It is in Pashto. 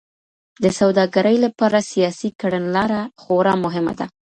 د سوداګرۍ لپاره سياسي کړنلاره خورا مهمه ده.